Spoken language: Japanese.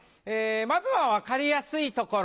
まずは分かりやすいところ